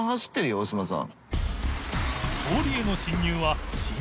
大島さん。